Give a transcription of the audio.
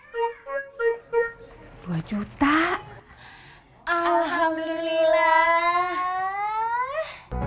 apakah yang saya ingin ingin ingin melibatkan kepada mbak mada sebelumnya